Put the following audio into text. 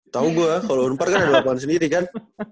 tau gue kalau unpar kan ada lapangan sendiri kan